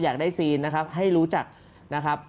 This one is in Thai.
อยากได้ซีนนะครับให้รู้จักนะครับ